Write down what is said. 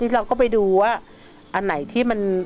เราก็ไปดูว่าอันไหนที่มัน